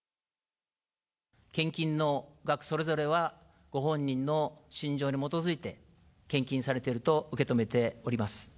献金の額それぞれは、ご本人の信条に基づいて、献金されてると受け止めております。